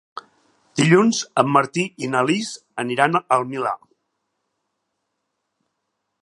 Dilluns en Martí i na Lis aniran al Milà.